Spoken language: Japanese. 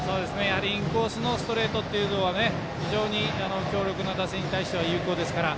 インコースのストレートというのは非常に強力な打線に対しては有効ですから。